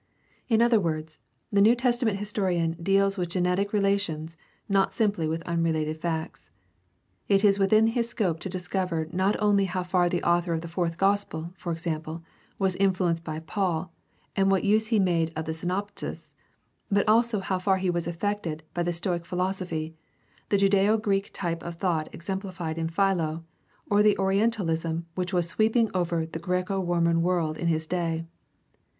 In other words, the New Testament historian deals with genetic relations, not smiply with unrelated facts. It is within his scope to discover not only how far the author of the Fourth Gospel, for example, was influenced by Paul and what use he made of the Synoptists, but also how far he was affected by the Stoic philosophy, the Judaeo Greek type of thought exemplified in Philo, or the Orientalism which was sweeping over the Graeco Roman world in his day.